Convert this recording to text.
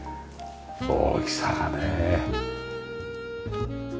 大きさがね。